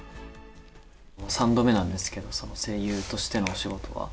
３度目なんですけど、声優としてのお仕事は。